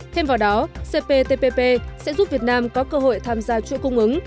thêm vào đó cptpp sẽ giúp việt nam có cơ hội tham gia chuỗi cung ứng